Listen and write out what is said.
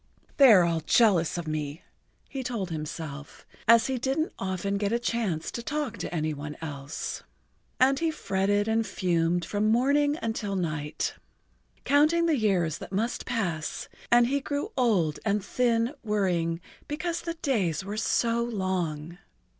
"They are all jealous of me," he told himself, as he didn't often get a chance to talk to any one else. And he fretted and fumed from morning until night, counting the years that must pass, and he grew old and thin worrying because the days were so long.